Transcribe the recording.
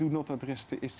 oke jadi apa yang akan terjadi